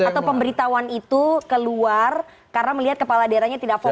atau pemberitahuan itu keluar karena melihat kepala daerahnya tidak fokus